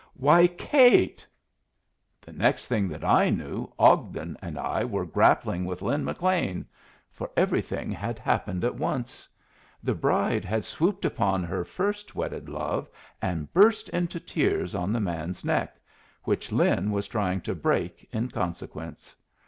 "Why, Kate!" The next thing that I knew Ogden and I were grappling with Lin McLean; for everything had happened at once. The bride had swooped upon her first wedded love and burst into tears on the man's neck, which Lin was trying to break in consequence.